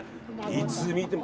いつ見ても。